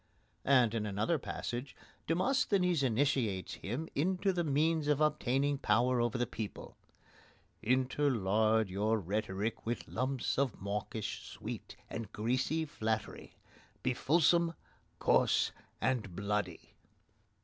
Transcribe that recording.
And, in another passage, Demosthenes initiates him into the means of obtaining power over the people: Interlard your rhetoric with lumps Of mawkish sweet, and greasy flattery. Be fulsome, coarse, and bloody!